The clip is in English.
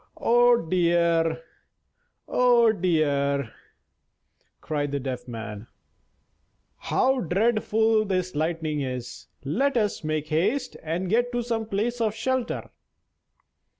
"Oh dear! oh dear!" cried the Deaf Man, "how dreadful this lightning is! Let us make haste and get to some place of shelter."